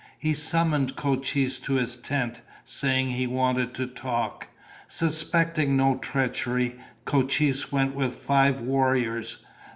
He summoned Cochise to his tent, saying he wanted to talk. Suspecting no treachery, Cochise went with five warriors.